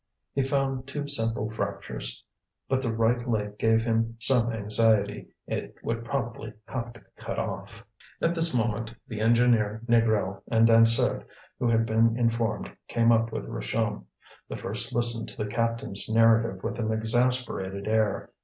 He found two simple fractures. But the right leg gave him some anxiety, it would probably have to be cut off. At this moment the engineer, Négrel, and Dansaert, who had been informed, came up with Richomme. The first listened to the captain's narrative with an exasperated air.